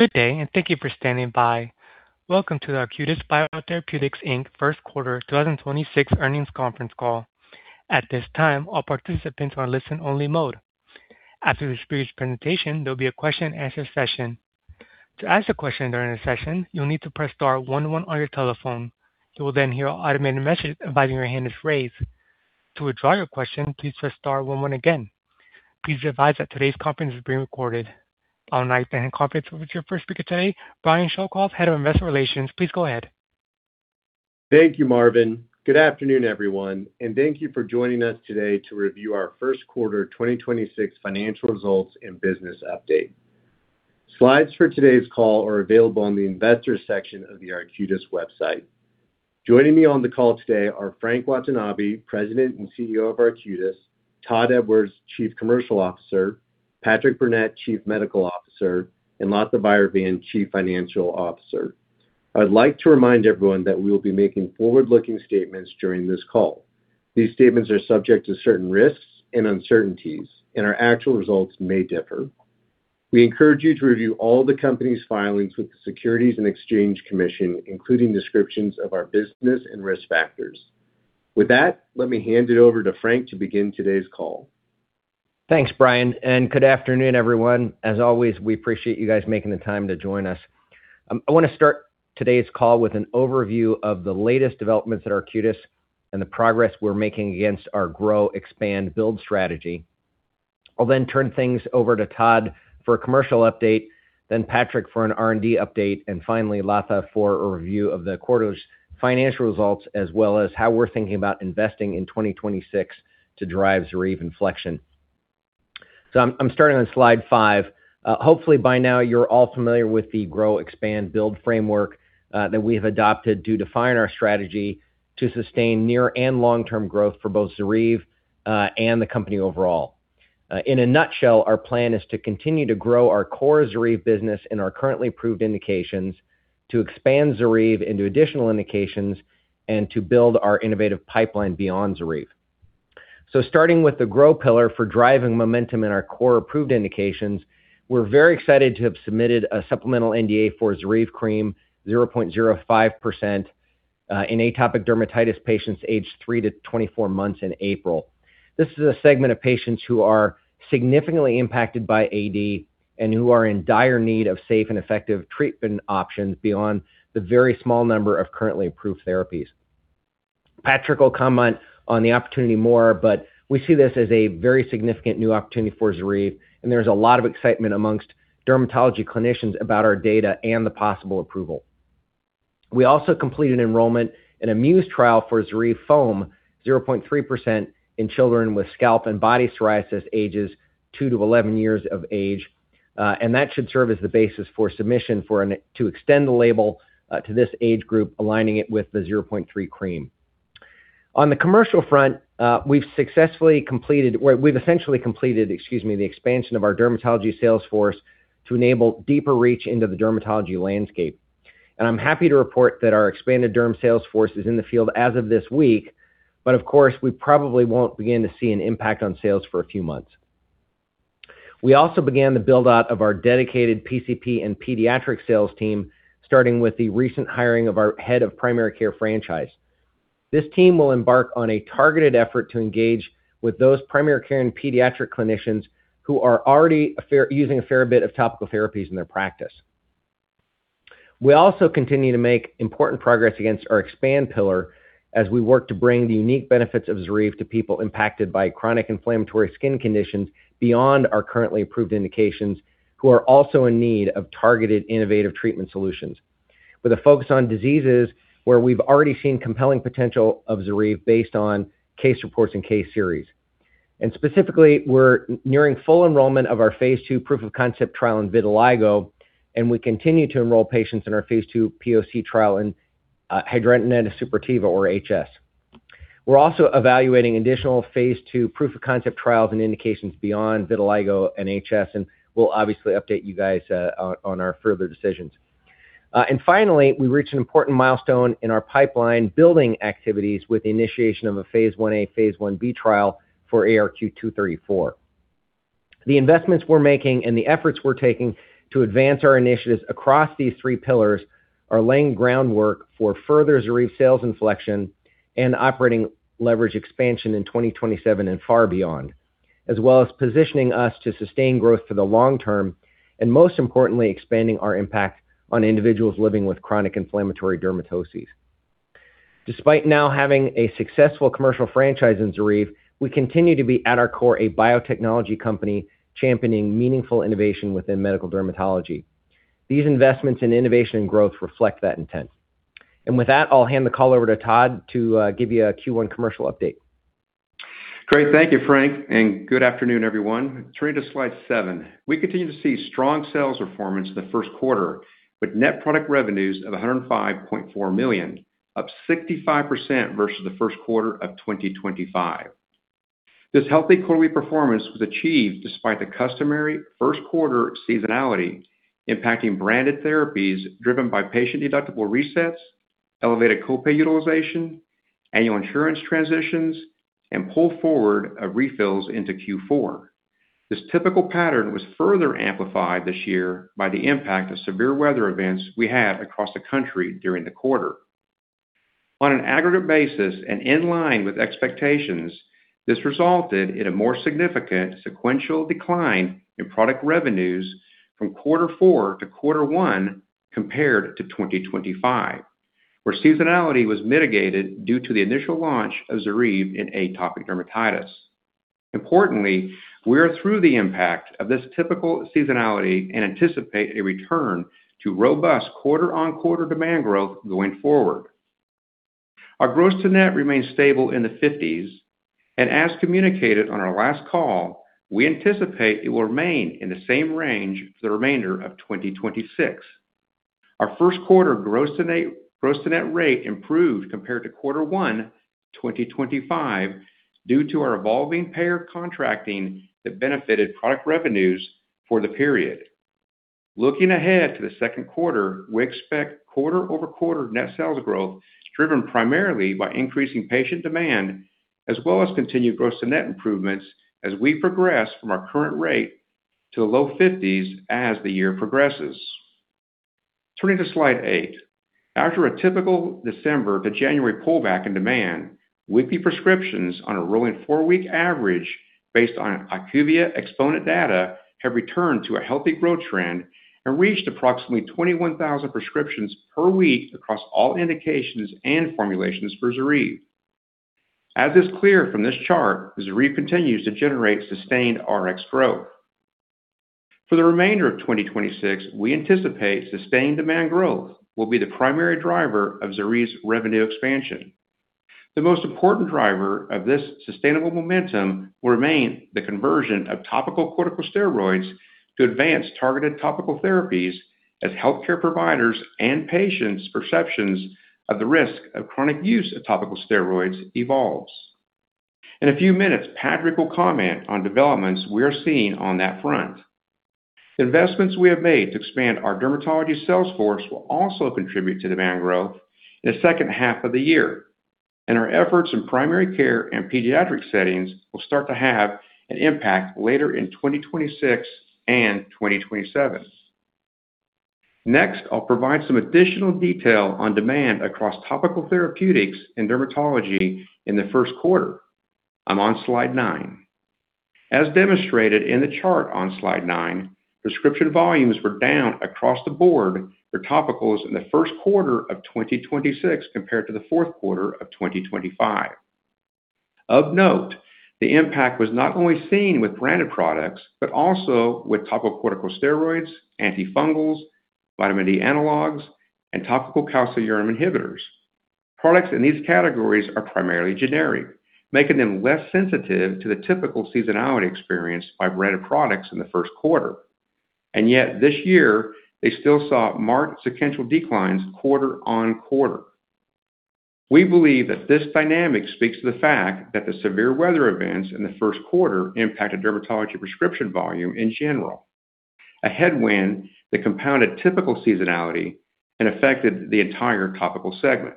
Good day, and thank you for standing by. Welcome to the Arcutis Biotherapeutics, Inc. First Quarter 2026 earnings conference call. At this time, all participants are in listen only mode. After this brief presentation, there'll be a question and answer session. To ask a question during the session, you'll need to press star one one on your telephone. You will then hear an automated message advising your hand is raised. To withdraw your question, please press star one one again. Please be advised that today's conference is being recorded. I would now like to hand the conference over to your first speaker today, Brian Schoelkopf, Head of Investor Relations. Please go ahead. Thank you, Marvin. Good afternoon, everyone, and thank you for joining us today to review our first quarter 2026 financial results and business update. Slides for today's call are available on the investors section of the Arcutis website. Joining me on the call today are Frank Watanabe, President and CEO of Arcutis, Todd Edwards, Chief Commercial Officer, Patrick Burnett, Chief Medical Officer, and Latha Vairavan, Chief Financial Officer. I'd like to remind everyone that we will be making forward-looking statements during this call. These statements are subject to certain risks and uncertainties, and our actual results may differ. We encourage you to review all the company's filings with the Securities and Exchange Commission, including descriptions of our business and risk factors. With that, let me hand it over to Frank to begin today's call. Thanks, Brian, good afternoon, everyone. As always, we appreciate you guys making the time to join us. I want to start today's call with an overview of the latest developments at Arcutis and the progress we're making against our grow, expand, build strategy. I'll then turn things over to Todd for a commercial update, then Patrick for an R&D update, and finally Latha for a review of the quarter's financial results, as well as how we're thinking about investing in 2026 to drive ZORYVE inflection. I'm starting on slide five. Hopefully by now you're all familiar with the grow, expand, build framework that we have adopted to define our strategy to sustain near and long-term growth for both ZORYVE and the company overall. In a nutshell, our plan is to continue to grow our core ZORYVE business in our currently approved indications to expand ZORYVE into additional indications and to build our innovative pipeline beyond ZORYVE. Starting with the grow pillar for driving momentum in our core approved indications, we're very excited to have submitted a supplemental NDA for ZORYVE cream 0.05% in atopic dermatitis patients aged three to 24 months in April. This is a segment of patients who are significantly impacted by AD and who are in dire need of safe and effective treatment options beyond the very small number of currently approved therapies. Patrick will comment on the opportunity more, but we see this as a very significant new opportunity for ZORYVE, and there's a lot of excitement amongst dermatology clinicians about our data and the possible approval. We also completed enrollment in a MUSE trial for ZORYVE foam 0.3% in children with scalp and body psoriasis ages 2 to 11 years of age. That should serve as the basis for submission to extend the label to this age group, aligning it with the 0.3% cream. On the commercial front, we've essentially completed, excuse me, the expansion of our dermatology sales force to enable deeper reach into the dermatology landscape. I'm happy to report that our expanded derm sales force is in the field as of this week. Of course, we probably won't begin to see an impact on sales for a few months. We also began the build-out of our dedicated PCP and pediatric sales team, starting with the recent hiring of our head of primary care franchise. This team will embark on a targeted effort to engage with those primary care and pediatric clinicians who are already using a fair bit of topical therapies in their practice. We also continue to make important progress against our expand pillar as we work to bring the unique benefits of ZORYVE to people impacted by chronic inflammatory skin conditions beyond our currently approved indications, who are also in need of targeted innovative treatment solutions. With a focus on diseases where we've already seen compelling potential of ZORYVE based on case reports and case series. Specifically, we're nearing full enrollment of our phase II proof of concept trial in vitiligo, and we continue to enroll patients in our phase II POC trial in hidradenitis suppurativa or HS. We're also evaluating additional phase II proof of concept trials and indications beyond vitiligo and HS, we'll obviously update you guys on our further decisions. Finally, we reached an important milestone in our pipeline building activities with the initiation of a phase I-A, phase I-B trial for ARQ-234. The investments we're making and the efforts we're taking to advance our initiatives across these three pillars are laying groundwork for further ZORYVE sales inflection and operating leverage expansion in 2027 and far beyond, as well as positioning us to sustain growth for the long term, and most importantly, expanding our impact on individuals living with chronic inflammatory dermatoses. Despite now having a successful commercial franchise in ZORYVE, we continue to be at our core a biotechnology company championing meaningful innovation within medical dermatology. These investments in innovation and growth reflect that intent. With that, I'll hand the call over to Todd to give you a Q1 commercial update. Great. Thank you, Frank, and good afternoon, everyone. Turning to slide seven. We continue to see strong sales performance in the first quarter with net product revenues of $105.4 million, up 65% versus the first quarter of 2025. This healthy quarterly performance was achieved despite the customary first quarter seasonality impacting branded therapies driven by patient deductible resets, elevated co-pay utilization-Annual insurance transitions and pull forward of refills into Q4. This typical pattern was further amplified this year by the impact of severe weather events we had across the country during the quarter. On an aggregate basis and in line with expectations, this resulted in a more significant sequential decline in product revenues from Q4 to Q1 compared to 2025, where seasonality was mitigated due to the initial launch of ZORYVE in atopic dermatitis. Importantly, we are through the impact of this typical seasonality and anticipate a return to robust quarter-on-quarter demand growth going forward. Our gross-to-net remains stable in the 50s, and as communicated on our last call, we anticipate it will remain in the same range for the remainder of 2026. Our first quarter gross-to-net rate improved compared to Q1 2025 due to our evolving payer contracting that benefited product revenues for the period. Looking ahead to the second quarter, we expect quarter-over-quarter net sales growth driven primarily by increasing patient demand as well as continued gross-to-net improvements as we progress from our current rate to the low 50s as the year progresses. Turning to slide eight. After a typical December to January pullback in demand, weekly prescriptions on a rolling four week average based on IQVIA Xponent data have returned to a healthy growth trend and reached approximately 21,000 prescriptions per week across all indications and formulations for ZORYVE. As is clear from this chart, ZORYVE continues to generate sustained RX growth. For the remainder of 2026, we anticipate sustained demand growth will be the primary driver of ZORYVE's revenue expansion. The most important driver of this sustainable momentum will remain the conversion of topical corticosteroids to advanced targeted topical therapies as healthcare providers and patients' perceptions of the risk of chronic use of topical steroids evolves. In a few minutes, Patrick will comment on developments we are seeing on that front. Investments we have made to expand our dermatology sales force will also contribute to demand growth in the second half of the year, and our efforts in primary care and pediatric settings will start to have an impact later in 2026 and 2027. I'll provide some additional detail on demand across topical therapeutics in dermatology in the first quarter. I'm on slide 9. As demonstrated in the chart on slide nine, prescription volumes were down across the board for topicals in the first quarter of 2026 compared to the fourth quarter of 2025. Of note, the impact was not only seen with branded products, but also with topical corticosteroids, antifungals, vitamin D analogs, and topical calcineurin inhibitors. Products in these categories are primarily generic, making them less sensitive to the typical seasonality experienced by branded products in the first quarter. Yet this year, they still saw marked sequential declines quarter-on-quarter. We believe that this dynamic speaks to the fact that the severe weather events in the first quarter impacted dermatology healthcare providers prescription volume in general, a headwind that compounded typical seasonality and affected the entire topical segment.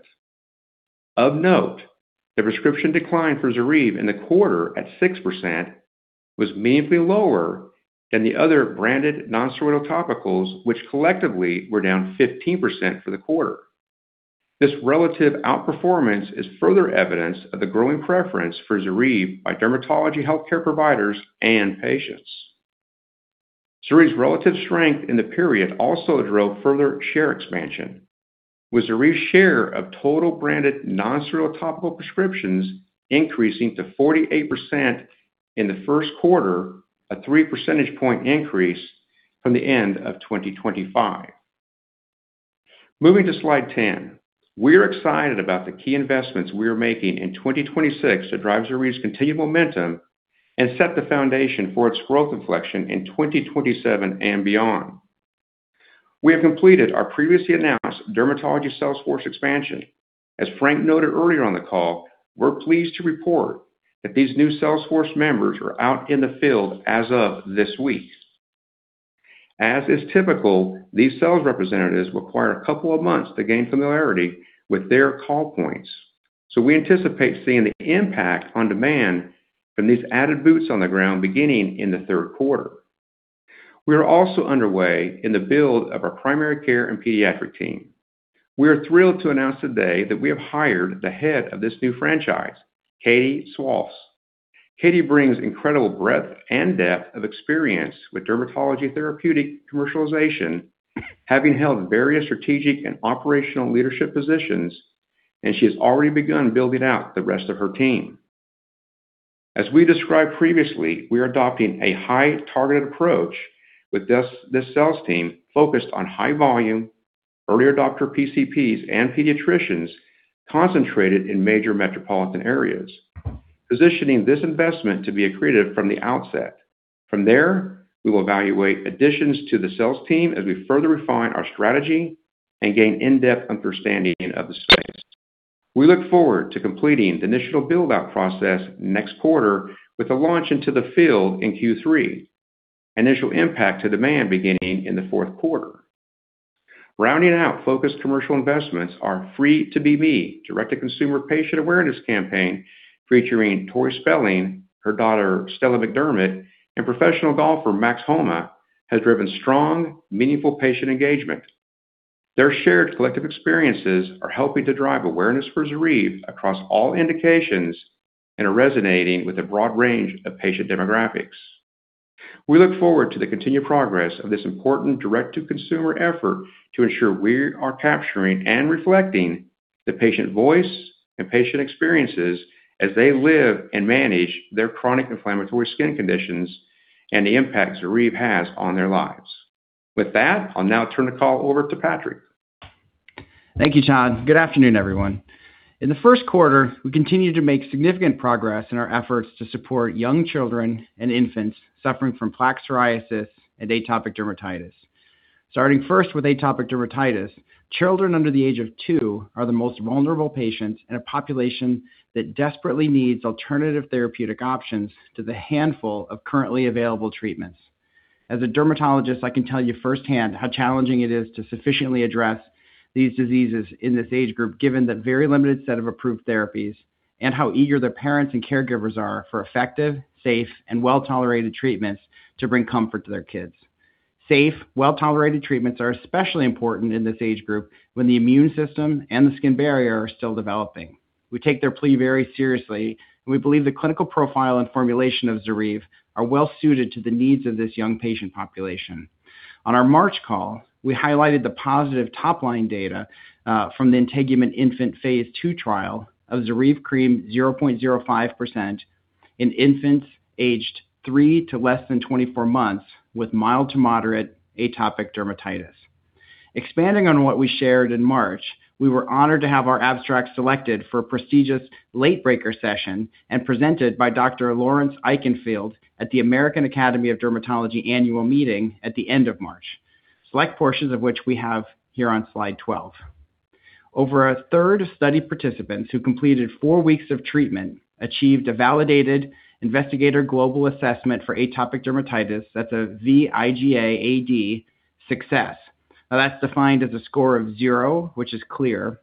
Of note, the prescription decline for ZORYVE in the quarter at 6% was meaningfully lower than the other branded nonsteroidal topicals, which collectively were down 15% for the quarter. This relative outperformance is further evidence of the growing preference for ZORYVE by dermatology healthcare providers and patients. ZORYVE's relative strength in the period also drove further share expansion, with ZORYVE's share of total branded nonsteroidal topical prescriptions increasing to 48% in the first quarter, a 3 percentage point increase from the end of 2025. Moving to slide 10. We are excited about the key investments we are making in 2026 to drive ZORYVE's continued momentum and set the foundation for its growth inflection in 2027 and beyond. We have completed our previously announced dermatology sales force expansion. As Frank noted earlier on the call, we're pleased to report that these new sales force members are out in the field as of this week. As is typical, these sales representatives require a couple of months to gain familiarity with their call points, so we anticipate seeing the impact on demand from these added boots on the ground beginning in the third quarter. We are also underway in the build of our primary care and pediatric team. We are thrilled to announce today that we have hired the head of this new franchise, Katie Swalls. Katie brings incredible breadth and depth of experience with dermatology therapeutic commercialization, having held various strategic and operational leadership positions, and she has already begun building out the rest of her team. As we described previously, we are adopting a high targeted approach with this sales team focused on high volume, early adopter PCPs and pediatricians concentrated in major metropolitan areas, positioning this investment to be accretive from the outset. From there, we will evaluate additions to the sales team as we further refine our strategy and gain in-depth understanding of the space. We look forward to completing the initial build-out process next quarter with a launch into the field in Q3, initial impact to demand beginning in the fourth quarter. Rounding out focused commercial investments are Free to Be Me direct-to-consumer patient awareness campaign featuring Tori Spelling, her daughter Stella McDermott, and professional golfer Max Homa has driven strong, meaningful patient engagement. Their shared collective experiences are helping to drive awareness for ZORYVE across all indications and are resonating with a broad range of patient demographics. We look forward to the continued progress of this important direct-to-consumer effort to ensure we are capturing and reflecting the patient voice and patient experiences as they live and manage their chronic inflammatory skin conditions and the impact ZORYVE has on their lives. With that, I'll now turn the call over to Patrick. Thank you, Todd. Good afternoon, everyone. In the first quarter, we continued to make significant progress in our efforts to support young children and infants suffering from plaque psoriasis and atopic dermatitis. Starting first with atopic dermatitis, children under the age of two are the most vulnerable patients in a population that desperately needs alternative therapeutic options to the handful of currently available treatments. As a dermatologist, I can tell you firsthand how challenging it is to sufficiently address these diseases in this age group, given the very limited set of approved therapies, and how eager their parents and caregivers are for effective, safe, and well-tolerated treatments to bring comfort to their kids. Safe, well-tolerated treatments are especially important in this age group when the immune system and the skin barrier are still developing. We take their plea very seriously, and we believe the clinical profile and formulation of ZORYVE are well suited to the needs of this young patient population. On our March call, we highlighted the positive top-line data from the INTEGUMENT-INFANT phase II trial of ZORYVE cream 0.05% in infants aged three to less than 24 months with mild to moderate atopic dermatitis. Expanding on what we shared in March, we were honored to have our abstract selected for a prestigious late breaker session and presented by Dr. Lawrence Eichenfield at the American Academy of Dermatology annual meeting at the end of March. Select portions of which we have here on slide 12. Over a third of study participants who completed four weeks of treatment achieved a Validated Investigator Global Assessment for Atopic Dermatitis, that's a vIGA-AD success. That's defined as a score of zero, which is clear,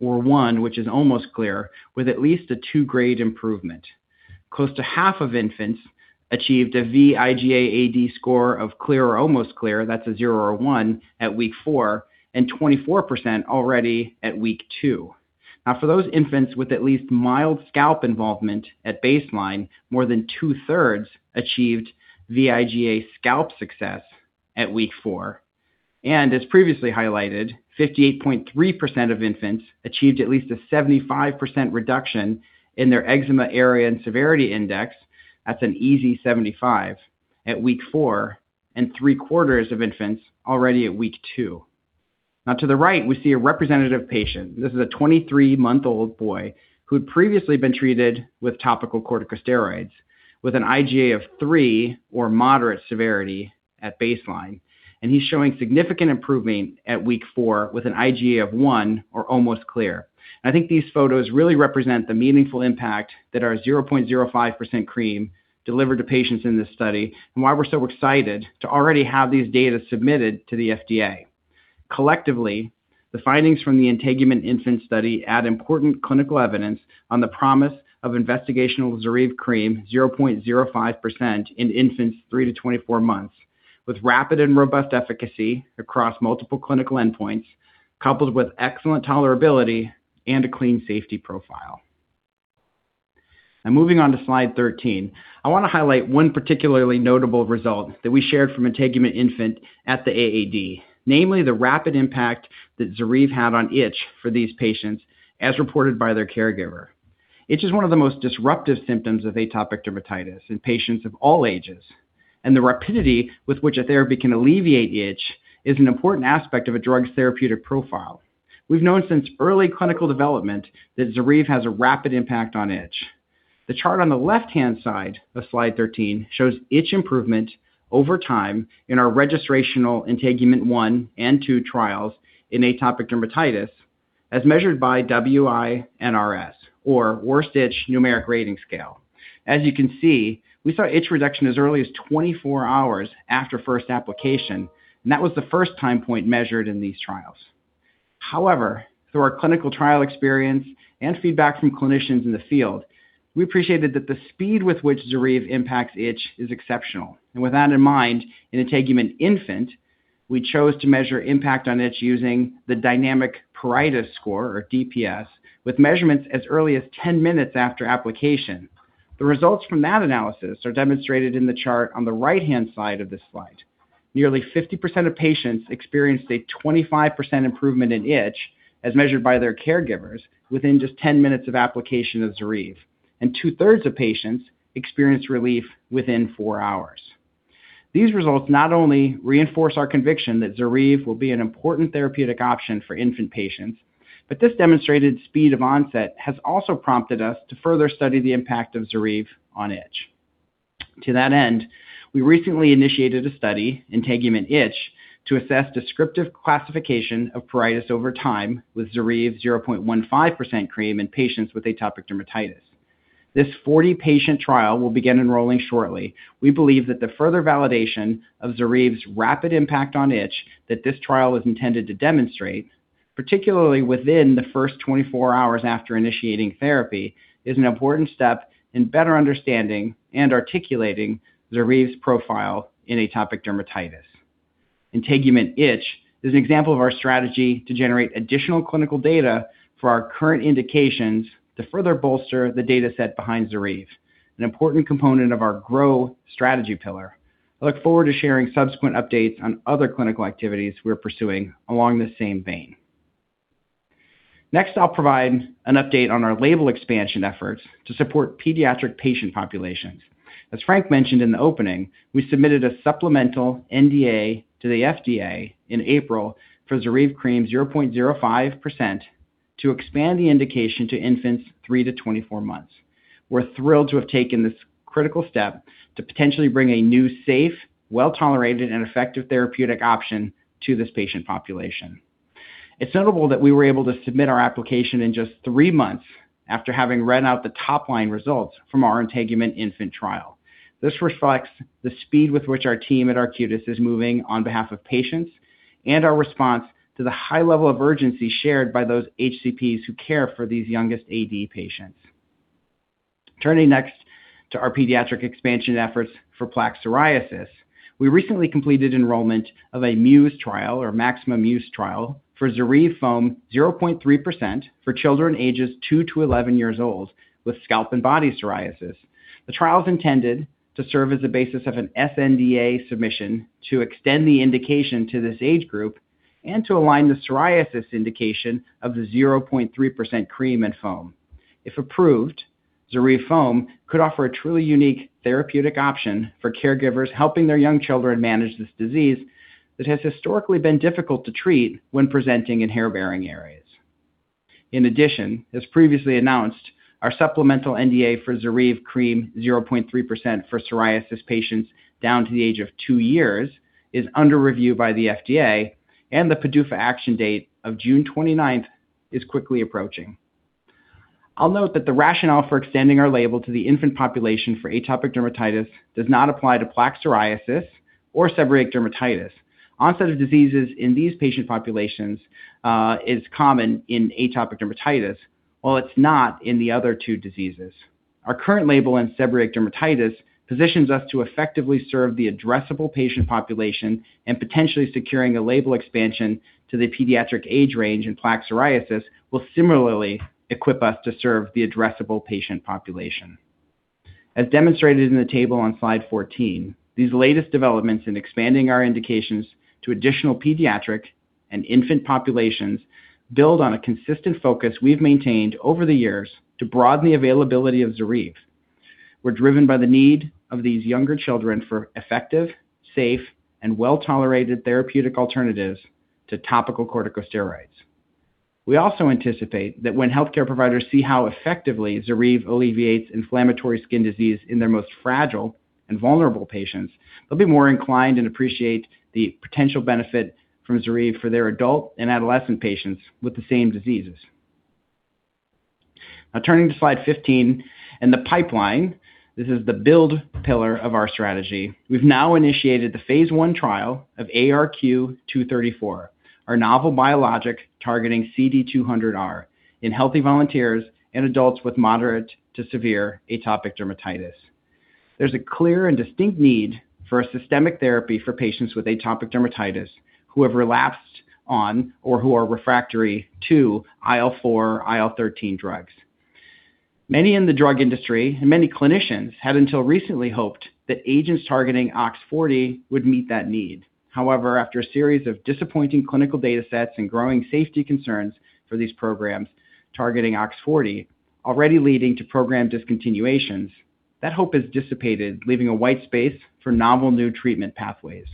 or one, which is almost clear, with at least a two-grade improvement. Close to half of infants achieved a vIGA-AD score of clear or almost clear. That's a zero or one at week four, and 24% already at week two. For those infants with at least mild scalp involvement at baseline, more than two-thirds achieved vIGA scalp success at week four. As previously highlighted, 58.3% of infants achieved at least a 75% reduction in their Eczema Area and Severity Index. That's an EASI-75 at week four, and three quarters of infants already at week two. To the right, we see a representative patient. This is a 23-month-old boy who'd previously been treated with topical corticosteroids with an IGA of three or moderate severity at baseline, and he's showing significant improvement at week four with an IGA of one or almost clear. I think these photos really represent the meaningful impact that our 0.05% cream delivered to patients in this study and why we're so excited to already have these data submitted to the FDA. Collectively, the findings from the INTEGUMENT-INFANT study add important clinical evidence on the promise of investigational ZORYVE cream 0.05% in infants three to 24 months, with rapid and robust efficacy across multiple clinical endpoints, coupled with excellent tolerability and a clean safety profile. Moving on to slide 13. I wanna highlight one particularly notable result that we shared from INTEGUMENT-INFANT at the AAD, namely the rapid impact that ZORYVE had on itch for these patients as reported by their caregiver. Itch is one of the most disruptive symptoms of atopic dermatitis in patients of all ages, and the rapidity with which a therapy can alleviate itch is an important aspect of a drug's therapeutic profile. We've known since early clinical development that ZORYVE has a rapid impact on itch. The chart on the left-hand side of slide 13 shows itch improvement over time in our registrational INTEGUMENT-1 and INTEGUMENT-2 trials in atopic dermatitis as measured by WI-NRS or Worst Itch Numeric Rating Scale. As you can see, we saw itch reduction as early as 24 hours after first application, and that was the first time point measured in these trials. Through our clinical trial experience and feedback from clinicians in the field, we appreciated that the speed with which ZORYVE impacts itch is exceptional. With that in mind, in INTEGUMENT-INFANT, we chose to measure impact on itch using the dynamic pruritus score or DPS with measurements as early as 10 minutes after application. The results from that analysis are demonstrated in the chart on the right-hand side of this slide. Nearly 50% of patients experienced a 25% improvement in itch as measured by their caregivers within just 10 minutes of application of ZORYVE, and two-thirds of patients experienced relief within four hours. These results not only reinforce our conviction that ZORYVE will be an important therapeutic option for infant patients, but this demonstrated speed of onset has also prompted us to further study the impact of ZORYVE on itch. To that end, we recently initiated a study, INTEGUMENT-ITCH, to assess descriptive classification of pruritus over time with ZORYVE 0.15% cream in patients with atopic dermatitis. This 40-patient trial will begin enrolling shortly. We believe that the further validation of ZORYVE's rapid impact on itch that this trial is intended to demonstrate, particularly within the first 24 hours after initiating therapy, is an important step in better understanding and articulating ZORYVE's profile in atopic dermatitis. INTEGUMENT-ITCH is an example of our strategy to generate additional clinical data for our current indications to further bolster the data set behind ZORYVE, an important component of our grow strategy pillar. I look forward to sharing subsequent updates on other clinical activities we're pursuing along the same vein. I'll provide an update on our label expansion efforts to support pediatric patient populations. As Frank mentioned in the opening, we submitted a supplemental NDA to the FDA in April for ZORYVE cream 0.05% to expand the indication to infants three to 24 months. We're thrilled to have taken this critical step to potentially bring a new, safe, well-tolerated, and effective therapeutic option to this patient population. It's notable that we were able to submit our application in just three months after having read out the top-line results from our INTEGUMENT-INFANT trial. This reflects the speed with which our team at Arcutis is moving on behalf of patients and our response to the high level of urgency shared by those HCPs who care for these youngest AD patients. Turning next to our pediatric expansion efforts for plaque psoriasis. We recently completed enrollment of a MUSE trial, or maximum use trial, for ZORYVE Foam 0.3% for children ages two to 11 years old with scalp and body psoriasis. The trial is intended to serve as the basis of an sNDA submission to extend the indication to this age group and to align the psoriasis indication of the 0.3% cream and foam. If approved, ZORYVE Foam could offer a truly unique therapeutic option for caregivers helping their young children manage this disease that has historically been difficult to treat when presenting in hair-bearing areas. In addition, as previously announced, our supplemental NDA for ZORYVE Cream 0.3% for psoriasis patients down to the age of two years is under review by the FDA, and the PDUFA action date of June 29th is quickly approaching. I'll note that the rationale for extending our label to the infant population for atopic dermatitis does not apply to plaque psoriasis or seborrheic dermatitis. Onset of diseases in these patient populations is common in atopic dermatitis, while it's not in the other two diseases. Our current label in seborrheic dermatitis positions us to effectively serve the addressable patient population. Potentially securing a label expansion to the pediatric age range in plaque psoriasis will similarly equip us to serve the addressable patient population. As demonstrated in the table on slide 14, these latest developments in expanding our indications to additional pediatric and infant populations build on a consistent focus we've maintained over the years to broaden the availability of ZORYVE. We're driven by the need of these younger children for effective, safe, and well-tolerated therapeutic alternatives to topical corticosteroids. We also anticipate that when healthcare providers see how effectively ZORYVE alleviates inflammatory skin disease in their most fragile and vulnerable patients, they'll be more inclined and appreciate the potential benefit from ZORYVE for their adult and adolescent patients with the same diseases. Turning to slide 15 and the pipeline. This is the build pillar of our strategy. We've now initiated the phase I trial of ARQ-234, our novel biologic targeting CD200R in healthy volunteers and adults with moderate to severe atopic dermatitis. There's a clear and distinct need for a systemic therapy for patients with atopic dermatitis who have relapsed on or who are refractory to IL-4, IL-13 drugs. Many in the drug industry and many clinicians had until recently hoped that agents targeting OX40 would meet that need. However, after a series of disappointing clinical data sets and growing safety concerns for these programs targeting OX40 already leading to program discontinuations, that hope has dissipated, leaving a wide space for novel new treatment pathways.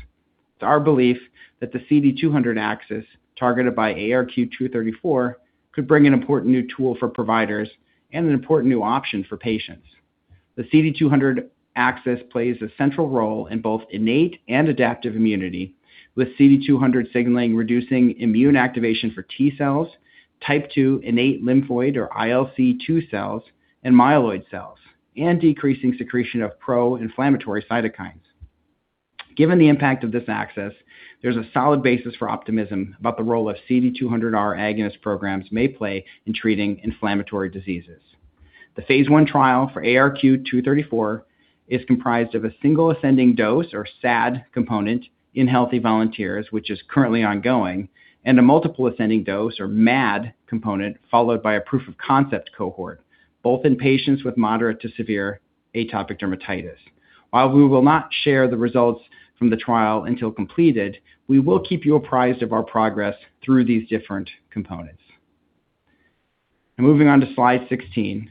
It's our belief that the CD200 axis targeted by ARQ-234 could bring an important new tool for providers and an important new option for patients. The CD200 axis plays a central role in both innate and adaptive immunity, with CD200 signaling reducing immune activation for T cells, Type 2 innate lymphoid or ILC2 cells, and myeloid cells, and decreasing secretion of pro-inflammatory cytokines. Given the impact of this axis, there's a solid basis for optimism about the role of CD200R agonist programs may play in treating inflammatory diseases. The phase I trial for ARQ-234 is comprised of a single ascending dose or SAD component in healthy volunteers, which is currently ongoing, and a multiple ascending dose or MAD component, followed by a proof of concept cohort, both in patients with moderate to severe atopic dermatitis. While we will not share the results from the trial until completed, we will keep you apprised of our progress through these different components. Moving on to slide 16.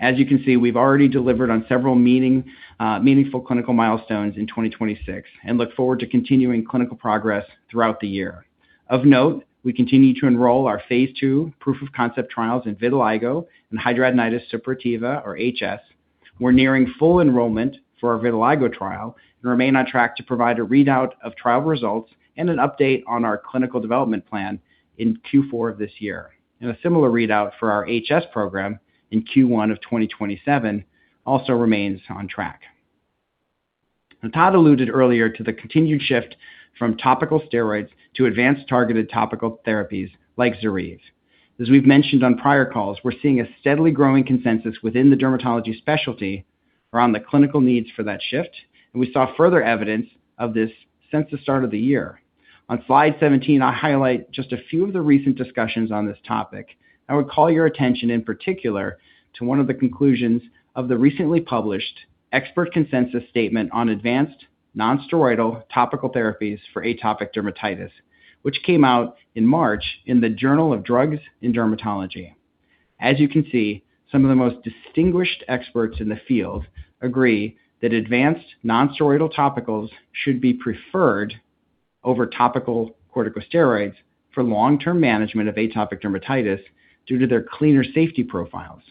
As you can see, we've already delivered on several meaningful clinical milestones in 2026 and look forward to continuing clinical progress throughout the year. Of note, we continue to enroll our phase II proof of concept trials in vitiligo and hidradenitis suppurativa or HS. We're nearing full enrollment for our vitiligo trial and remain on track to provide a readout of trial results and an update on our clinical development plan in Q4 of this year. A similar readout for our HS program in Q1 of 2027 also remains on track. Todd alluded earlier to the continued shift from topical steroids to advanced targeted topical therapies like ZORYVE. As we've mentioned on prior calls, we're seeing a steadily growing consensus within the dermatology specialty around the clinical needs for that shift, and we saw further evidence of this since the start of the year. On slide 17, I highlight just a few of the recent discussions on this topic. I would call your attention in particular to one of the conclusions of the recently published expert consensus statement on advanced non-steroidal topical therapies for atopic dermatitis, which came out in March in the Journal of Drugs in Dermatology. As you can see, some of the most distinguished experts in the field agree that advanced non-steroidal topicals should be preferred over topical corticosteroids for long-term management of atopic dermatitis due to their cleaner safety profiles.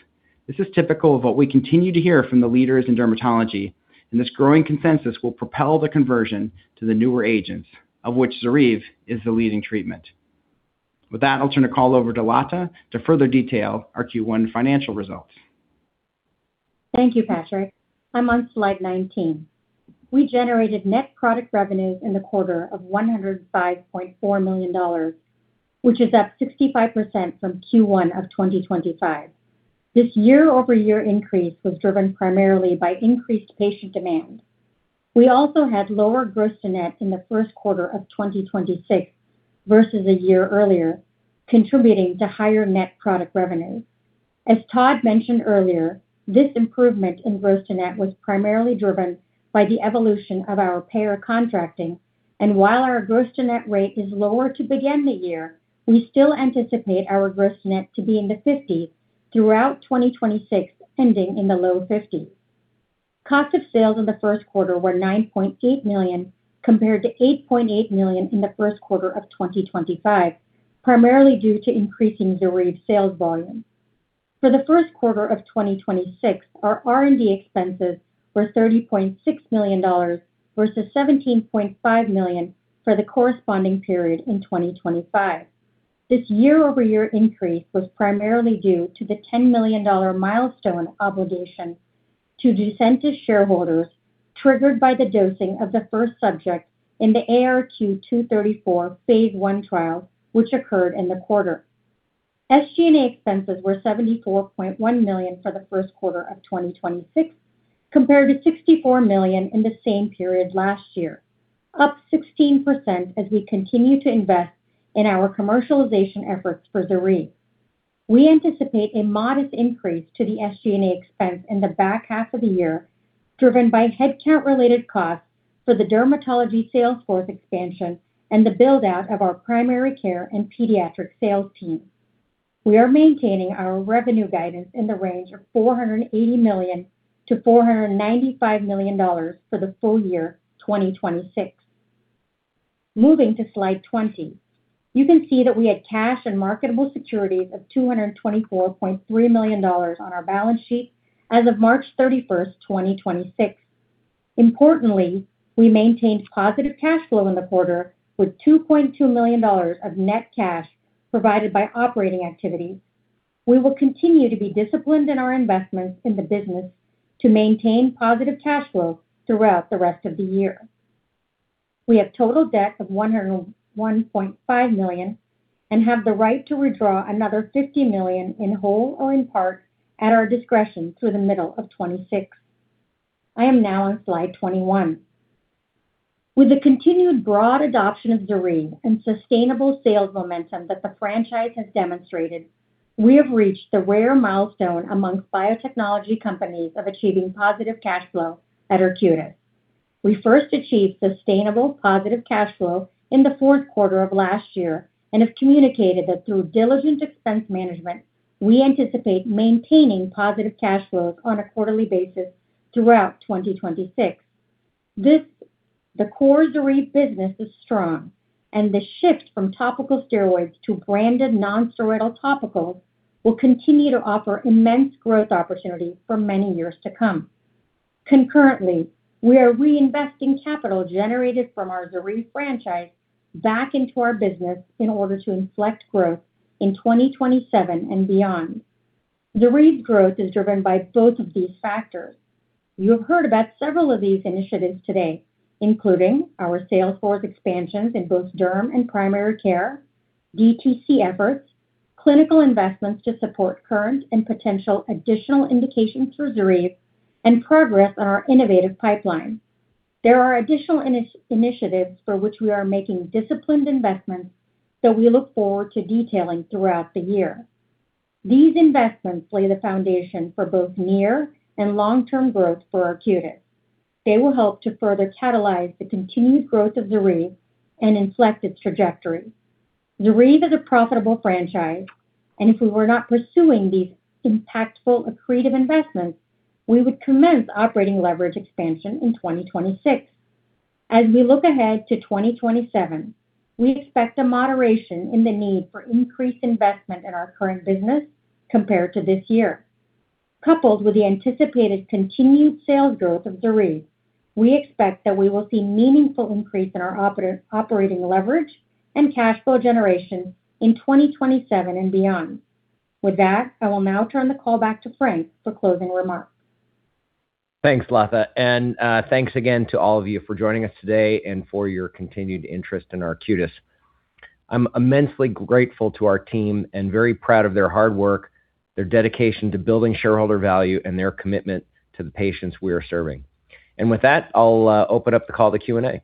This is typical of what we continue to hear from the leaders in dermatology. This growing consensus will propel the conversion to the newer agents, of which ZORYVE is the leading treatment. With that, I'll turn the call over to Latha to further detail our Q1 financial results. Thank you, Patrick. I'm on slide 19. We generated net product revenues in the quarter of $105.4 million, which is up 65% from Q1 of 2025. This year-over-year increase was driven primarily by increased patient demand. We also had lower gross to net in the first quarter of 2026 versus a year earlier, contributing to higher net product revenues. As Todd mentioned earlier, this improvement in gross to net was primarily driven by the evolution of our payer contracting, and while our gross to net rate is lower to begin the year, we still anticipate our gross net to be in the 50s throughout 2026, ending in the low 50s. Cost of sales in the first quarter were $9.8 million, compared to $8.8 million in the first quarter of 2025, primarily due to increasing ZORYVE sales volume. For the first quarter of 2026, our R&D expenses were $30.6 million versus $17.5 million for the corresponding period in 2025. This year-over-year increase was primarily due to the $10 million milestone obligation to Ducentis' shareholders, triggered by the dosing of the first subject in the ARQ-234 phase I trial, which occurred in the quarter. SG&A expenses were $74.1 million for the first quarter of 2026, compared to $64 million in the same period last year, up 16% as we continue to invest in our commercialization efforts for ZORYVE. We anticipate a modest increase to the SG&A expense in the back half of the year, driven by headcount-related costs for the dermatology sales force expansion and the build-out of our primary care and pediatric sales team. We are maintaining our revenue guidance in the range of $480 million-$495 million for the full year 2026. Moving to slide 20, you can see that we had cash and marketable securities of $224.3 million on our balance sheet as of March 31st, 2026. Importantly, we maintained positive cash flow in the quarter, with $2.2 million of net cash provided by operating activities. We will continue to be disciplined in our investments in the business to maintain positive cash flow throughout the rest of the year. We have total debt of $101.5 million and have the right to withdraw another $50 million in whole or in part at our discretion through the middle of 2026. I am now on slide 21. With the continued broad adoption of ZORYVE and sustainable sales momentum that the franchise has demonstrated, we have reached the rare milestone amongst biotechnology companies of achieving positive cash flow at Arcutis. We first achieved sustainable positive cash flow in the fourth quarter of last year and have communicated that through diligent expense management, we anticipate maintaining positive cash flow on a quarterly basis throughout 2026. The core ZORYVE business is strong, the shift from topical steroids to branded non-steroidal topicals will continue to offer immense growth opportunity for many years to come. Concurrently, we are reinvesting capital generated from our ZORYVE franchise back into our business in order to inflect growth in 2027 and beyond. ZORYVE growth is driven by both of these factors. You have heard about several of these initiatives today, including our sales force expansions in both derm and primary care, D2C efforts, clinical investments to support current and potential additional indications for ZORYVE, and progress on our innovative pipeline. There are additional initiatives for which we are making disciplined investments that we look forward to detailing throughout the year. These investments lay the foundation for both near and long-term growth for Arcutis. They will help to further catalyze the continued growth of ZORYVE and inflect its trajectory. ZORYVE is a profitable franchise. If we were not pursuing these impactful accretive investments, we would commence operating leverage expansion in 2026. As we look ahead to 2027, we expect a moderation in the need for increased investment in our current business compared to this year. Coupled with the anticipated continued sales growth of ZORYVE, we expect that we will see meaningful increase in our operating leverage and cash flow generation in 2027 and beyond. With that, I will now turn the call back to Frank for closing remarks. Thanks, Latha. Thanks again to all of you for joining us today and for your continued interest in Arcutis. I'm immensely grateful to our team and very proud of their hard work, their dedication to building shareholder value, and their commitment to the patients we are serving. With that, I'll open up the call to Q&A.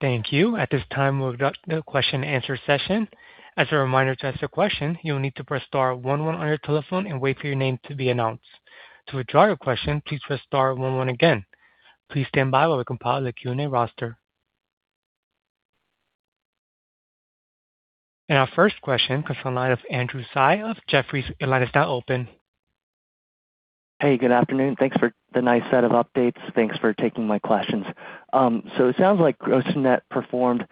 Thank you. At this time, we'll conduct the question and answer session. As a reminder, to ask a question, you'll need to press star one one on your telephone and wait for your name to be announced. To withdraw your question, please press star one one again. Please stand by while we compile the Q&A roster. Our first question comes from the line of Andrew Tsai of Jefferies. Your line is now open. Hey, good afternoon. Thanks for the nice set of updates. Thanks for taking my questions. It sounds like gross net performed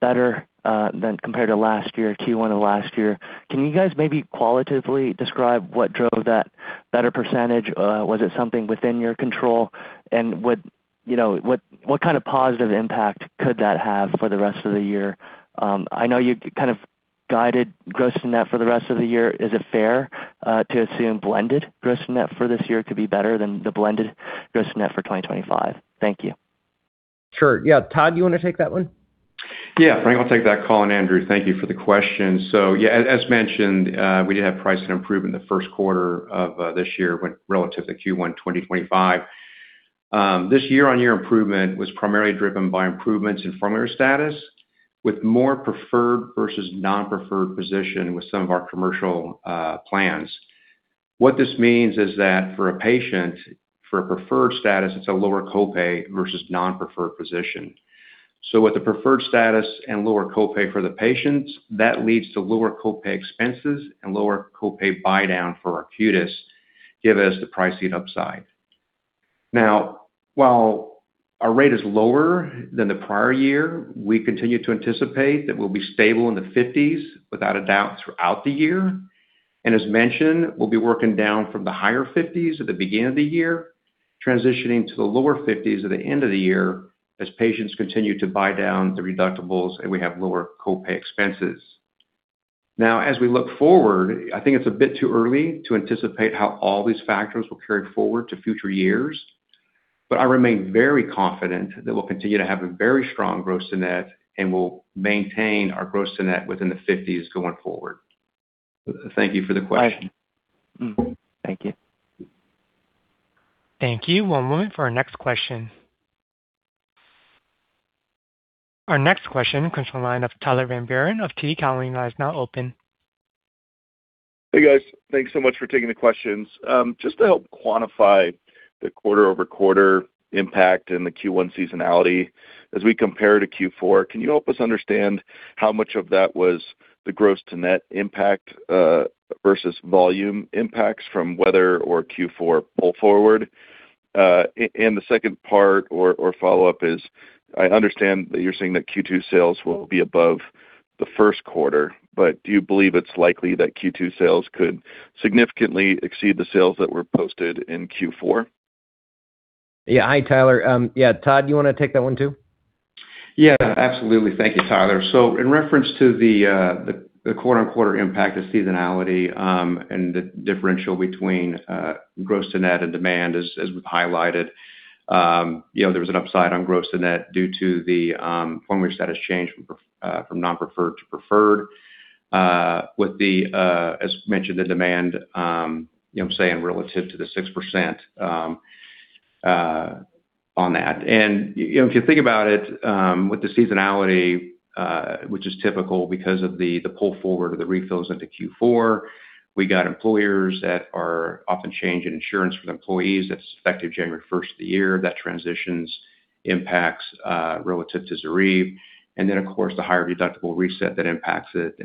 better than compared to last year, Q1 of last year. Can you guys maybe qualitatively describe what drove that better %? Was it something within your control? What, you know, what kind of positive impact could that have for the rest of the year? I know you kind of guided gross net for the rest of the year. Is it fair to assume blended gross net for this year could be better than the blended gross net for 2025? Thank you. Sure. Todd, you wanna take that one? Frank, I'll take that call. Andrew, thank you for the question. yeah, as mentioned, we did have pricing improvement in the first quarter of this year when relative to Q1 2025. This year-over-year improvement was primarily driven by improvements in formulary status with more preferred versus non-preferred position with some of our commercial plans. What this means is that for a patient, for a preferred status, it's a lower copay versus non-preferred position. With the preferred status and lower copay for the patients, that leads to lower copay expenses and lower copay buydown for Arcutis, giving us the pricing upside. Now, while our rate is lower than the prior year, we continue to anticipate that we'll be stable in the 50s without a doubt throughout the year. As mentioned, we'll be working down from the higher 50s at the beginning of the year, transitioning to the lower 50s at the end of the year as patients continue to buy down the deductibles and we have lower copay expenses. Now, as we look forward, I think it's a bit too early to anticipate how all these factors will carry forward to future years. I remain very confident that we'll continue to have a very strong gross to net, and we'll maintain our gross to net within the 50s going forward. Thank you for the question. All right. Mm-hmm. Thank you. Thank you. One moment for our next question. Our next question comes from the line of Tyler Van Buren of TD Cowen. Your line is now open. Hey, guys. Thanks so much for taking the questions. Just to help quantify the quarter-over-quarter impact and the Q1 seasonality as we compare to Q4, can you help us understand how much of that was the gross to net impact versus volume impacts from weather or Q4 pull forward? The second part or follow-up is, I understand that you're saying that Q2 sales will be above the first quarter, but do you believe it's likely that Q2 sales could significantly exceed the sales that were posted in Q4? Yeah. Hi, Tyler. Yeah, Todd, you wanna take that one too? Yeah, absolutely. Thank you, Tyler. In reference to the quarter-on-quarter impact of seasonality, and the differential between gross to net and demand as we've highlighted, you know, there was an upside on gross to net due to the formulary status change from non-preferred to preferred, with the as mentioned, the demand, you know, saying relative to the 6% on that. You know, if you think about it, with the seasonality, which is typical because of the pull forward of the refills into Q4, we got employers that are often changing insurance for the employees that's effective January 1st of the year. That transitions impacts relative to ZORYVE. Then, of course, the higher deductible reset that impacts it.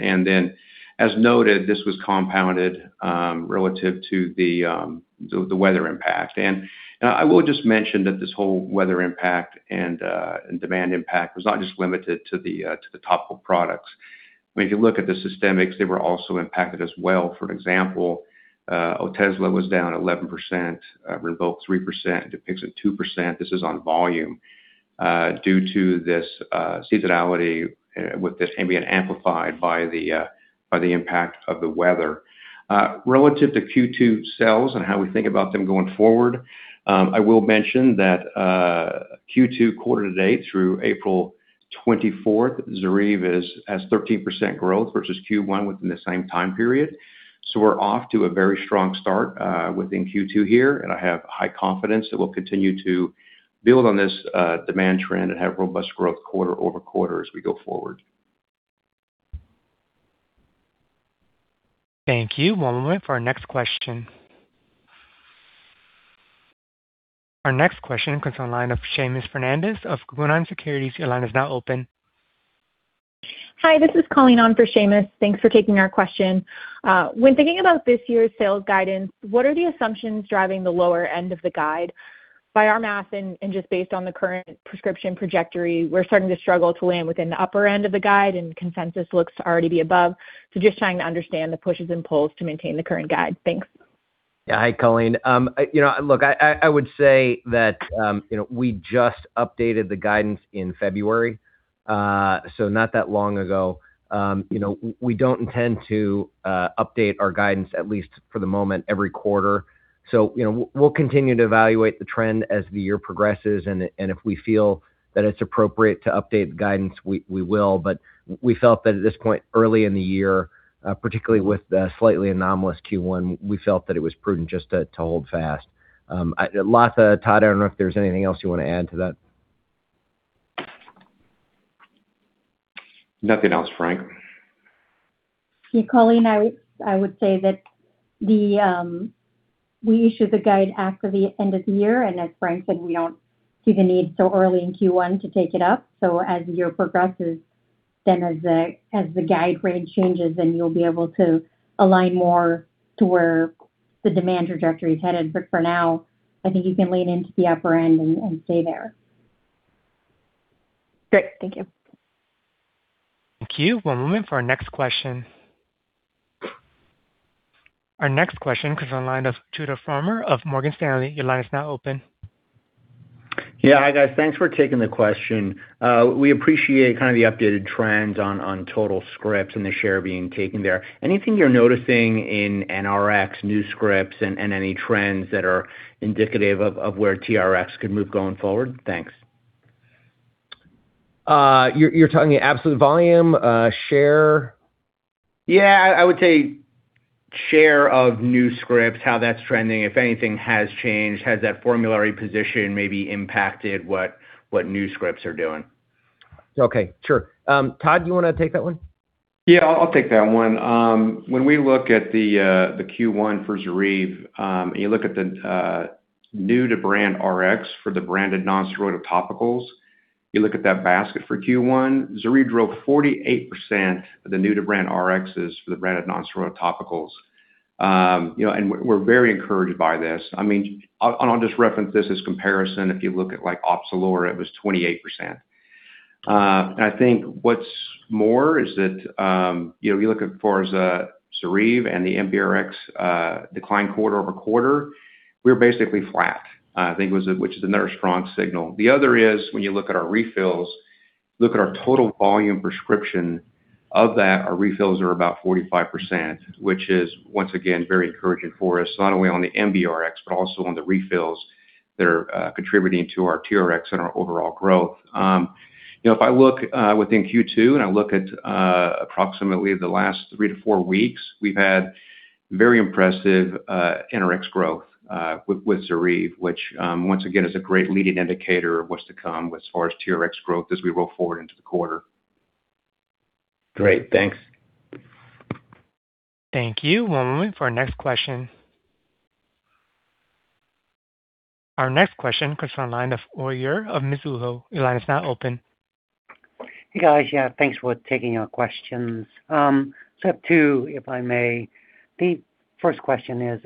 As noted, this was compounded relative to the weather impact. I will just mention that this whole weather impact and demand impact was not just limited to the topical products. I mean, if you look at the systemics, they were also impacted as well. For example, Otezla was down 11%, Rivfloza 3%, and DUPIXENT 2%. This is on volume due to this seasonality with this being amplified by the impact of the weather. Relative to Q2 sales and how we think about them going forward, I will mention that Q2 quarter to date through April 24th, ZORYVE has 13% growth versus Q1 within the same time period. We're off to a very strong start, within Q2 here, and I have high confidence that we'll continue to build on this, demand trend and have robust growth quarter-over-quarter as we go forward. Thank you. One moment for our next question. Our next question comes from the line of Seamus Fernandez of Guggenheim Securities. Your line is now open. Hi, this is Colleen on for Seamus. Thanks for taking our question. When thinking about this year's sales guidance, what are the assumptions driving the lower end of the guide? By our math and just based on the current prescription trajectory, we're starting to struggle to land within the upper end of the guide and consensus looks to already be above. Just trying to understand the pushes and pulls to maintain the current guide. Thanks. Hi, Colleen. You know, look, I, I would say that, you know, we just updated the guidance in February, so not that long ago. You know, we don't intend to update our guidance at least for the moment every quarter. You know, we'll continue to evaluate the trend as the year progresses and if we feel that it's appropriate to update the guidance, we will. We felt that at this point early in the year, particularly with the slightly anomalous Q1, we felt that it was prudent just to hold fast. Latha, Todd, I don't know if there's anything else you wanna add to that. Nothing else, Frank. Hey, Colleen, I would say that we issued the guide after the end of the year. As Frank said, we don't see the need so early in Q1 to take it up. As the year progresses, as the guide range changes, you'll be able to align more to where the demand trajectory is headed. For now, I think you can lean into the upper end and stay there. Great. Thank you. Thank you. We're moving for our next question. Our next question comes on line of Judah Frommer of Morgan Stanley. Your line is now open. Yeah. Hi, guys. Thanks for taking the question. We appreciate kind of the updated trends on total scripts and the share being taken there. Anything you're noticing in NRX new scripts and any trends that are indicative of where TRXs could move going forward? Thanks. You're talking absolute volume share? Yeah. I would say share of new scripts, how that's trending. If anything has changed, has that formulary position maybe impacted what new scripts are doing? Okay. Sure. Todd, do you wanna take that one? Yeah, I'll take that one. When we look at the Q1 for ZORYVE, you look at the new to brand RX for the branded nonsteroidal topicals, you look at that basket for Q1, ZORYVE drove 48% of the new to brand RXs for the branded nonsteroidal topicals. You know, we're very encouraged by this. I mean, I'll just reference this as comparison. If you look at like Opzelura, it was 28%. I think what's more is that, you know, you look at far as ZORYVE and the NBRx declined quarter-over-quarter, we're basically flat. I think it was which is another strong signal. The other is when you look at our refills, look at our total volume prescription of that, our refills are about 45%, which is once again very encouraging for us, not only on the NBRx, but also on the refills that are contributing to our TRX and our overall growth. You know, if I look within Q2, and I look at approximately the last three to four weeks, we've had very impressive NRX growth with ZORYVE, which once again is a great leading indicator of what's to come as far as TRX growth as we roll forward into the quarter. Great. Thanks. Thank you. One moment for our next question. Our next question comes from the line of Uy Ear of Mizuho. Your line is now open. Hey, guys. Yeah, thanks for taking our questions. I have two, if I may. The first question is,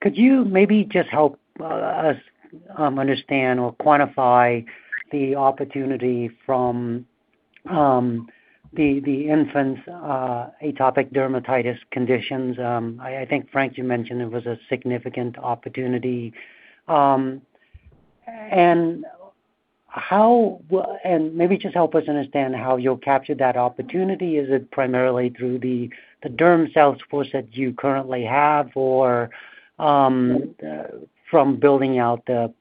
could you maybe just help us understand or quantify the opportunity from the infant's atopic dermatitis conditions? I think, Frank, you mentioned it was a significant opportunity. Maybe just help us understand how you'll capture that opportunity. Is it primarily through the derm sales force that you currently have or from building out the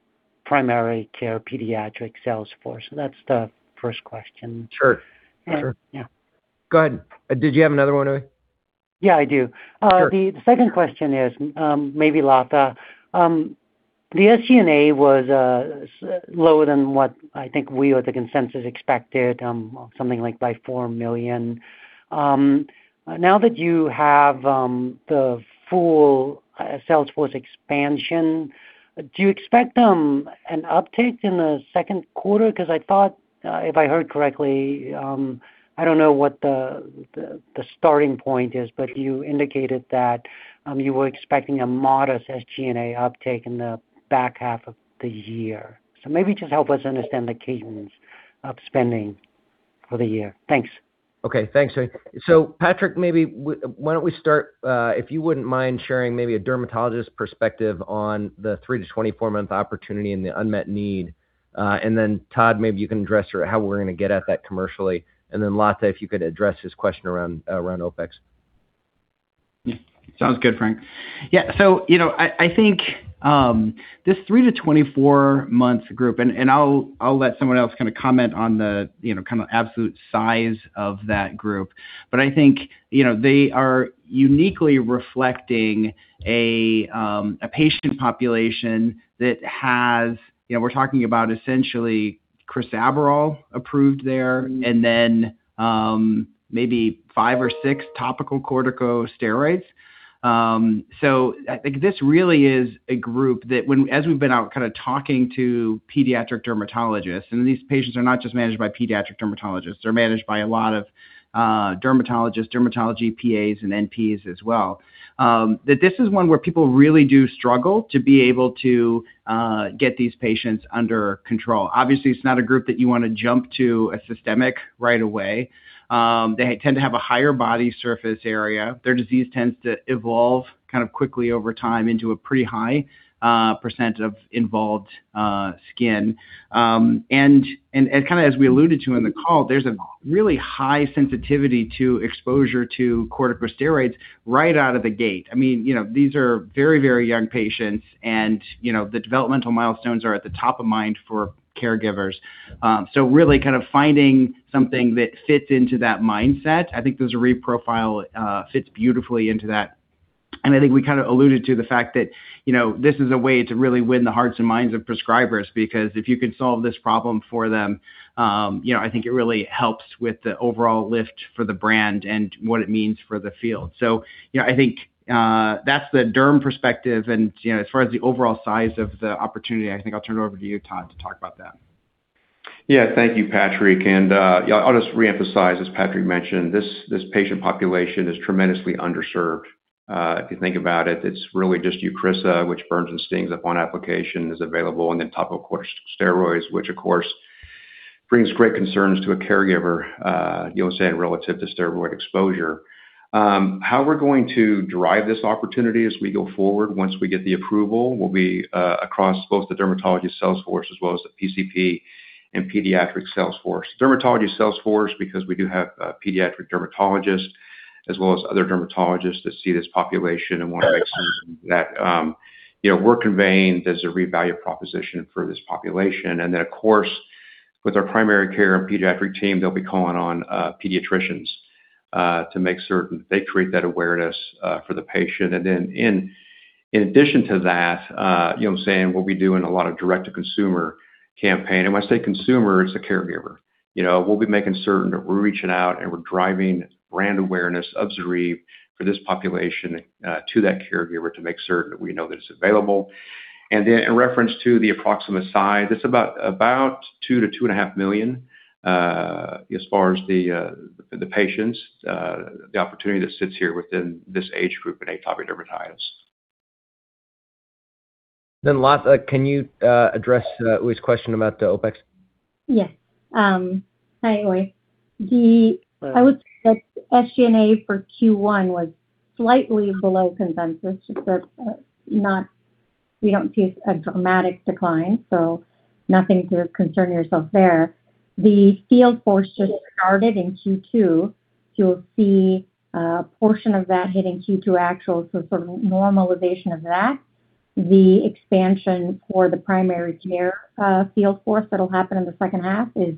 primary care pediatric sales force? That's the first question. Sure. Sure. Yeah. Go ahead. Did you have another one, Uy Ear? Yeah, I do. Sure. The second question is, maybe Latha. The SG&A was lower than what I think we or the consensus expected, something like by $4 million. Now that you have the full sales force expansion, do you expect an uptick in the second quarter? 'Cause I thought, if I heard correctly, I don't know what the starting point is, but you indicated that you were expecting a modest SG&A uptick in the back half of the year. Maybe just help us understand the cadence of spending for the year. Thanks. Okay. Thanks, Uy Ear. Patrick, maybe why don't we start, if you wouldn't mind sharing maybe a dermatologist perspective on the 3 to 24 month opportunity and the unmet need. Then Todd, maybe you can address sort of how we're gonna get at that commercially. Then Latha, if you could address his question around OpEx. Yeah. Sounds good, Frank. You know, I think this three to 24 months group, and I'll let someone else kinda comment on the, you know, kind of absolute size of that group. I think, you know, they are uniquely reflecting a patient population that has You know, we're talking about essentially crisaborole approved there, and then, maybe five or six topical corticosteroids. I think this really is a group that as we've been out kinda talking to pediatric dermatologists, and these patients are not just managed by pediatric dermatologists, they're managed by a lot of dermatologists, dermatology PAs and NPs as well, that this is one where people really do struggle to be able to get these patients under control. Obviously, it's not a group that you wanna jump to a systemic right away. They tend to have a higher body surface area. Their disease tends to evolve kind of quickly over time into a pretty high percent of involved skin. And kinda as we alluded to in the call, there's a really high sensitivity to exposure to corticosteroids right out of the gate. I mean, you know, these are very, very young patients and, you know, the developmental milestones are at the top of mind for caregivers. So really kind of finding something that fits into that mindset, I think ZORYVE fits beautifully into that. I think we kind of alluded to the fact that, you know, this is a way to really win the hearts and minds of prescribers because if you can solve this problem for them, you know, I think it really helps with the overall lift for the brand and what it means for the field. You know, I think that's the derm perspective and, you know, as far as the overall size of the opportunity, I think I'll turn it over to you, Todd, to talk about that. Thank you, Patrick. I'll just reemphasize, as Patrick mentioned, this patient population is tremendously underserved. If you think about it's really just EUCRISA, which burns and stings upon application, is available, and then topical corticosteroids, which of course brings great concerns to a caregiver, you know what I'm saying, relative to steroid exposure. How we're going to drive this opportunity as we go forward once we get the approval will be across both the dermatology sales force as well as the PCP and pediatric sales force. Dermatology sales force because we do have pediatric dermatologists as well as other dermatologists that see this population and wanna make certain that, you know, we're conveying there's a revalued proposition for this population. Of course, with our primary care and pediatric team, they'll be calling on pediatricians to make certain they create that awareness for the patient. In addition to that, you know what I'm saying, we'll be doing a lot of direct-to-consumer campaign. When I say consumer, it's the caregiver. You know, we'll be making certain that we're reaching out and we're driving brand awareness of ZORYVE for this population to that caregiver to make certain that we know that it's available. In reference to the approximate size, it's about 2 million to 2.5 million as far as the patients, the opportunity that sits here within this age group in atopic dermatitis. Latha, can you address Uy Ear's question about the OpEx? Yes. Hi, Uy Ear. I would say that SG&A for Q1 was slightly below consensus, but we don't see a dramatic decline, so nothing to concern yourself there. The field force just started in Q2. You'll see a portion of that hitting Q2 actual, so sort of normalization of that. The expansion for the primary care field force that'll happen in the second half is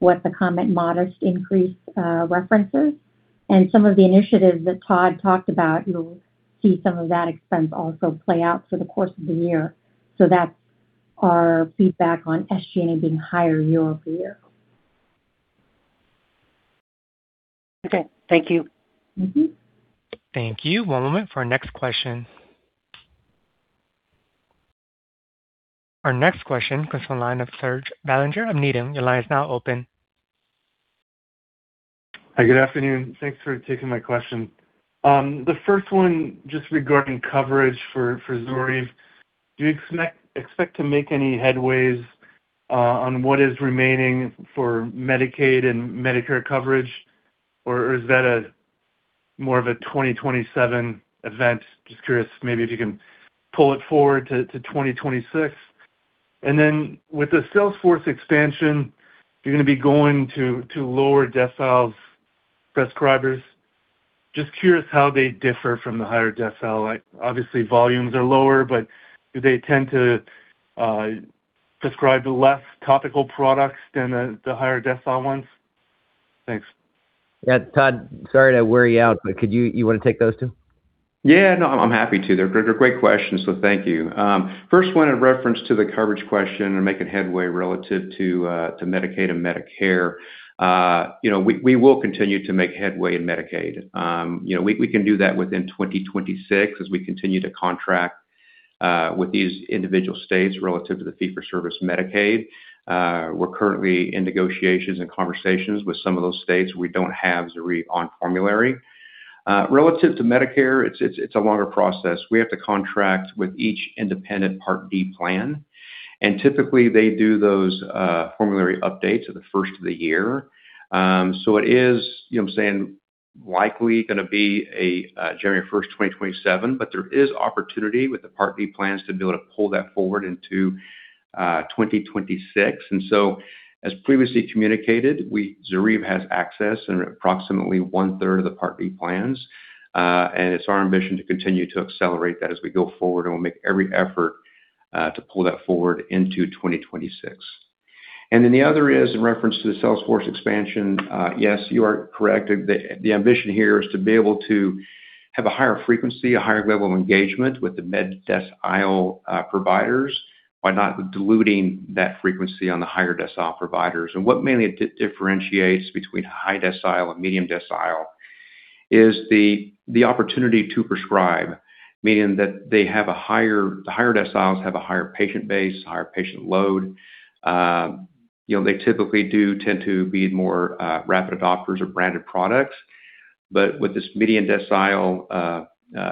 what the comment modest increase references. Some of the initiatives that Todd talked about, you'll see some of that expense also play out for the course of the year. That's our feedback on SG&A being higher year-over-year. Okay. Thank you. Thank you. One moment for our next question. Our next question comes from the line of Serge Belanger of Needham. Your line is now open. Hi. Good afternoon. Thanks for taking my question. The first one just regarding coverage for ZORYVE. Do you expect to make any headways on what is remaining for Medicaid and Medicare coverage? Or is that a more of a 2027 event? Just curious maybe if you can pull it forward to 2026. With the sales force expansion, you're gonna be going to lower decile prescribers. Just curious how they differ from the higher decile. Like, obviously volumes are lower, but do they tend to prescribe less topical products than the higher decile ones? Thanks. Yeah. Todd, sorry to wear you out, but you wanna take those two? Yeah. No, I'm happy to. They're great questions, so thank you. First one in reference to the coverage question and making headway relative to Medicaid and Medicare. You know, we will continue to make headway in Medicaid. You know, we can do that within 2026 as we continue to contract with these individual states relative to the fee-for-service Medicaid. We're currently in negotiations and conversations with some of those states we don't have ZORYVE on formulary. Relative to Medicare, it's a longer process. We have to contract with each independent Part D plan, and typically they do those formulary updates at the first of the year. It is, you know what I'm saying, likely gonna be a January 1st, 2027, but there is opportunity with the Part D plans to be able to pull that forward into 2026. As previously communicated, ZORYVE has access in approximately 1/3 of the Part D plans. It's our ambition to continue to accelerate that as we go forward, and we'll make every effort to pull that forward into 2026. The other is in reference to the sales force expansion. Yes, you are correct. The ambition here is to be able to have a higher frequency, a higher level of engagement with the med decile providers by not diluting that frequency on the higher decile providers. What mainly differentiates between high decile and medium decile is the opportunity to prescribe, meaning that the higher deciles have a higher patient base, higher patient load. You know, they typically do tend to be more rapid adopters of branded products. With this median decile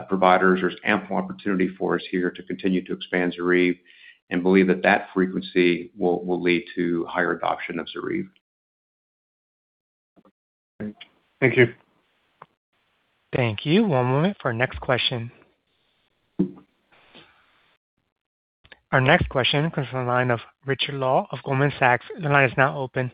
providers, there's ample opportunity for us here to continue to expand ZORYVE and believe that frequency will lead to higher adoption of ZORYVE. Thank you. Thank you. One moment for our next question. Our next question comes from the line of Richard Law of Goldman Sachs. The line is now open.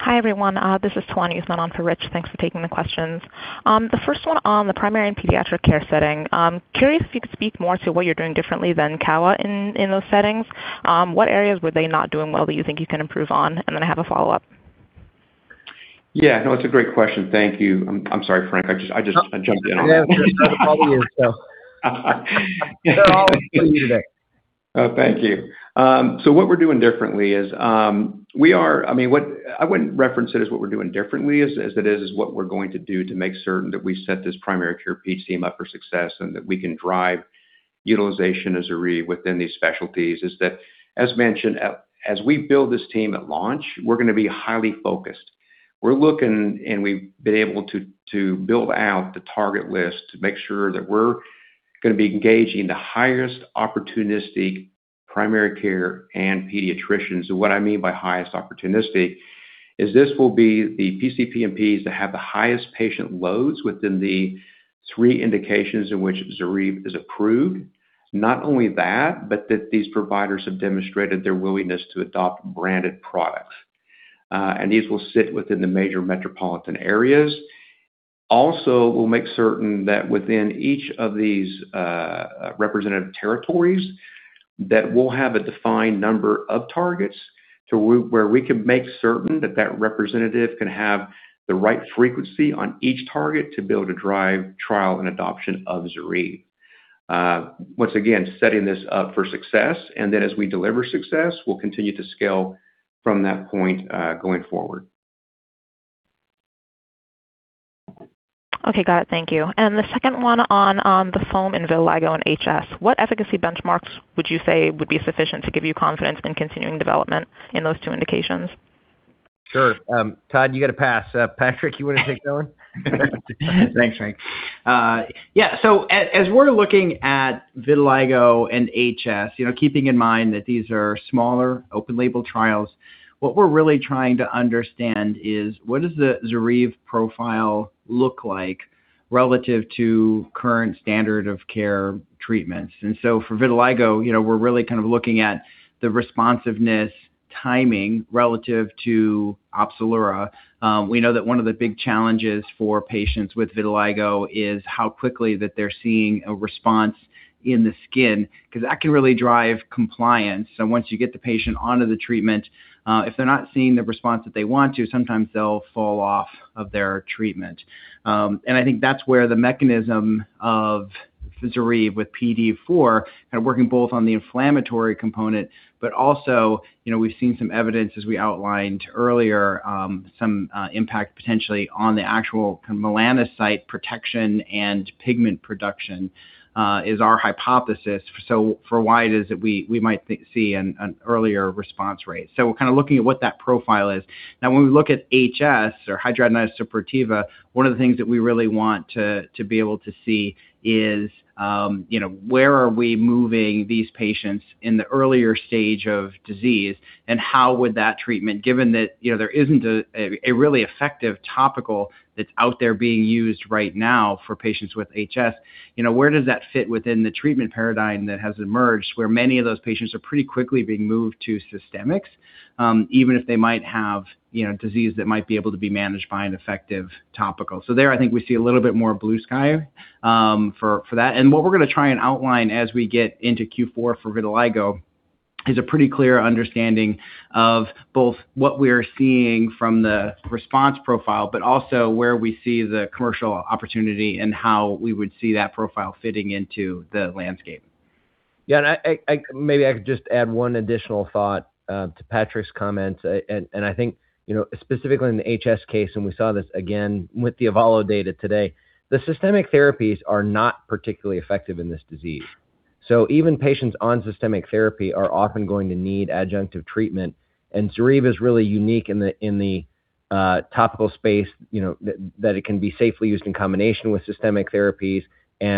Hi, everyone. This is [Twani] sitting on for Richard Law. Thanks for taking the questions. The first one on the primary and pediatric care setting. Curious if you could speak more to what you're doing differently than Kowa in those settings. What areas were they not doing well that you think you can improve on? Then I have a follow-up. Yeah, no, it's a great question. Thank you. I'm sorry, Frank. I just jumped in on that. No problem with you. They're all looking at you today. Oh, thank you. What we're doing differently is, I mean, what we're going to do to make certain that we set this primary care PCP team up for success and that we can drive utilization of ZORYVE within these specialties, is that, as mentioned, as we build this team at launch, we're going to be highly focused. We're looking and we've been able to build out the target list to make sure that we're going to be engaging the highest opportunistic primary care and pediatricians. What I mean by highest opportunistic is this will be the PCP NPs that have the highest patient loads within the three indications in which ZORYVE is approved. Not only that these providers have demonstrated their willingness to adopt branded products. These will sit within the major metropolitan areas. Also, we'll make certain that within each of these representative territories, that we'll have a defined number of targets to where we can make certain that that representative can have the right frequency on each target to be able to drive trial and adoption of ZORYVE. Once again, setting this up for success, and then as we deliver success, we'll continue to scale from that point going forward. Okay. Got it. Thank you. The second one on the foam and vitiligo and HS. What efficacy benchmarks would you say would be sufficient to give you confidence in continuing development in those two indications? Sure. Todd, you got a pass. Patrick, you wanna take that one? Thanks, Frank. Yeah. As we're looking at vitiligo and HS, you know, keeping in mind that these are smaller open label trials, what we're really trying to understand is what does the ZORYVE profile look like relative to current standard of care treatments? For vitiligo, you know, we're really kind of looking at the responsiveness timing relative to Opzelura. We know that one of the big challenges for patients with vitiligo is how quickly that they're seeing a response in the skin, 'cause that can really drive compliance. Once you get the patient onto the treatment, if they're not seeing the response that they want to, sometimes they'll fall off of their treatment. I think that's where the mechanism of ZORYVE with PDE4 are working both on the inflammatory component, but also, you know, we've seen some evidence as we outlined earlier, some impact potentially on the actual melanocyte protection and pigment production, is our hypothesis. For why it is that we might see an earlier response rate. We're kind of looking at what that profile is. When we look at HS or hidradenitis suppurativa, one of the things that we really want to be able to see is, you know, where are we moving these patients in the earlier stage of disease and how would that treatment, given that, you know, there isn't a really effective topical that's out there being used right now for patients with HS. You know, where does that fit within the treatment paradigm that has emerged, where many of those patients are pretty quickly being moved to systemics, even if they might have, you know, disease that might be able to be managed by an effective topical. There, I think we see a little bit more blue sky for that. What we're gonna try and outline as we get into Q4 for vitiligo is a pretty clear understanding of both what we're seeing from the response profile, but also where we see the commercial opportunity and how we would see that profile fitting into the landscape. Yeah. I Maybe I could just add one additional thought to Patrick's comments. I think, you know, specifically in the HS case, we saw this again with the Avalo data today, the systemic therapies are not particularly effective in this disease. Even patients on systemic therapy are often going to need adjunctive treatment. ZORYVE is really unique in the, in the topical space, you know, that it can be safely used in combination with systemic therapies. You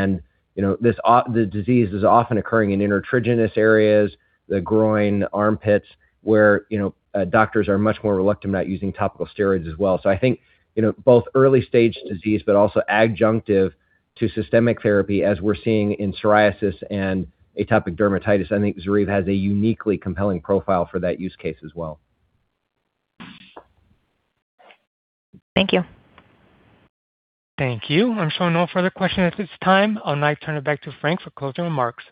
know, the disease is often occurring in intertriginous areas, the groin, armpits, where, you know, doctors are much more reluctant about using topical steroids as well. I think, you know, both early-stage disease, but also adjunctive to systemic therapy, as we're seeing in psoriasis and atopic dermatitis. I think ZORYVE has a uniquely compelling profile for that use case as well. Thank you. Thank you. I'm showing no further questions at this time. I'll now turn it back to Frank for closing remarks.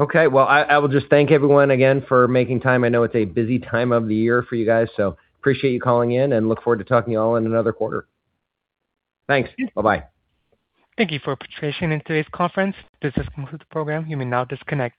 Okay. Well, I will just thank everyone again for making time. I know it's a busy time of the year for you guys. Appreciate you calling in and look forward to talking to you all in another quarter. Thanks. Bye-bye. Thank you for participating in today's conference. This concludes the program. You may now disconnect.